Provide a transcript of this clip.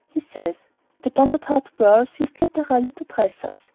He says: The Bonaparte girls used literally to dress us.